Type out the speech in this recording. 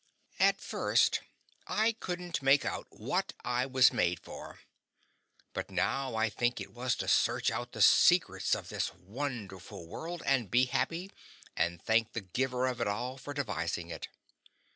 At first I couldn't make out what I was made for, but now I think it was to search out the secrets of this wonderful world and be happy and thank the Giver of it all for devising it.